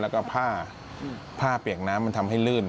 แล้วก็ผ้าผ้าเปียกน้ำมันทำให้ลื่น